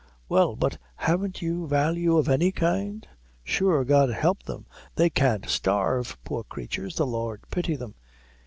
"Well, but haven't you value of any kind? : sure, God help them, they can't starve, poor cratures the Lord pity them!"